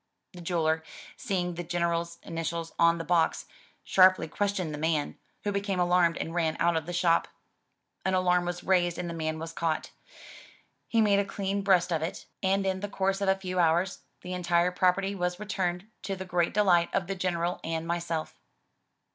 The jeweller, seeing the General's initials on the box, sharply questioned the man, who 175 M Y BOOK HOUSE became alarmed and ran out of the shop. An alarm was raised and the man was caught. He made a clean breast of it, and in the course of a few hours, the entire property was returned, to the great delight of the General and myself.